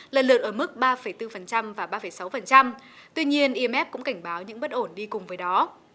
lần lượt ở mức ba bốn và ba sáu tuy nhiên imf cũng cảnh báo những bất ổn đi cùng với đó